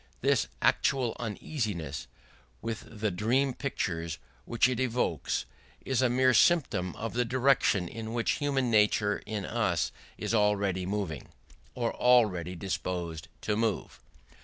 This actual uneasiness, with the dream pictures which it evokes, is a mere symptom of the direction in which human nature in us is already moving, or already disposed to move.